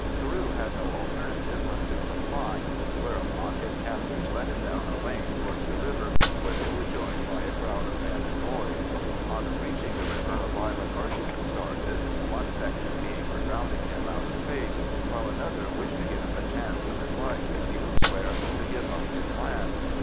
Carew had no alternative but to comply, whereupon his captors led him down a lane towards the river, where they were joined by a crowd of men and boys. On reaching the river a violent argument started, one section being for drowning him out of face, while another wished to give him a chance of his life if he would swear to give up his land.